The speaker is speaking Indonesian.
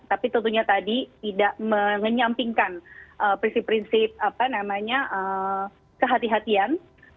tapi tentunya tadi tidak menyampingkan prinsip prinsip kehatian kehatian